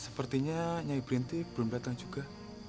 sepertinya nyai berhenti belum datang juga